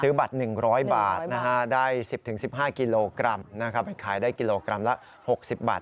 บัตร๑๐๐บาทได้๑๐๑๕กิโลกรัมไปขายได้กิโลกรัมละ๖๐บาท